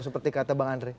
seperti kata bang andri